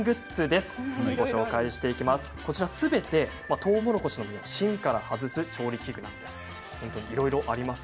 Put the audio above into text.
すべて、とうもろこしの実を芯から外す調理器具です。